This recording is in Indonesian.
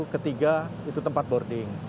ketiga itu tempat boarding